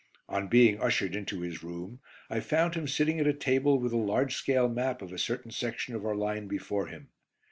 On being ushered into his room, I found him sitting at a table with a large scale map of a certain section of our line before him.